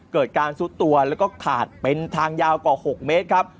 เกิดการซุดตัวแล้วก็ขาดเป็นทางยาวกว่า๖เมตรครับ